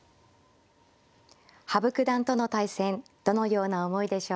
羽生九段との対戦どのような思いでしょうか。